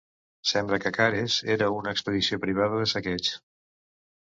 Sembla que Cares era a una expedició privada de saqueig.